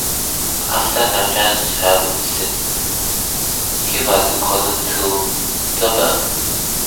After National Service he was called to the Bar.